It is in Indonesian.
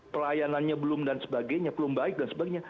pelayanannya belum dan sebagainya belum baik dan sebagainya